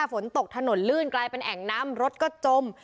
ฝนตกถนนลื่นกลายเป็นแอ่งน้ำรถก็จม